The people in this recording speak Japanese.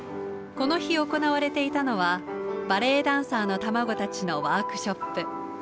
この日行われていたのはバレエダンサーの卵たちのワークショップ。